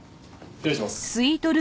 失礼します。